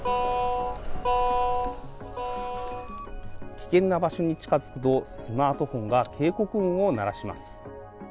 危険な場所に近づくとスマートフォンが警告音を鳴らします。